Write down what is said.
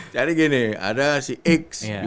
jadi gini ada si x